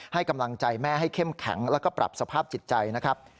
ให้กำลังใจแม่ให้เข้มแข็งแล้วก็ปรับสภาพจิตใจนะครับ